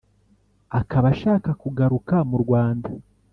akaba ashaka kugaruka mu Rwanda